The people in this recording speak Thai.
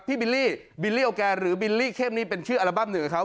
บิลลี่บิลลี่โอแกหรือบิลลี่เข้มนี่เป็นชื่ออัลบั้มหนึ่งกับเขา